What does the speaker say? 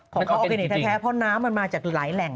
ของเขาออร์แกนิคแท้เพราะน้ำมันมาจากหลายแหล่ง